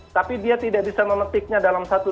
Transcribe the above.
tapi dia tidak bisa memetiknya dalam satu dua tahun